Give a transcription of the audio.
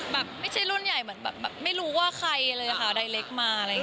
แบบไม่ใช่รุ่นใหญ่เหมือนแบบไม่รู้ว่าใครเลยค่ะใดเล็กมาอะไรอย่างนี้